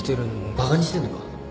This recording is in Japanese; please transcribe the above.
バカにしてんのか？